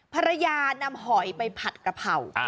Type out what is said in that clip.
ภรรยานำหอยไปผัดกะเพรา